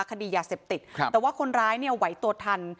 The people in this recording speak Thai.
คดียาเสพติดแต่ว่าคนร้ายเนี่ยไหวตัวทัน